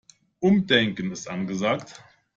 Umdenken ist angesagt.